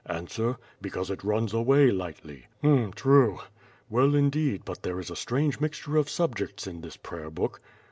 Answer: "Because it runs away lightly. H'm! true!" "Well, indeed, but there is a strange mixture of subjects in this prayer book."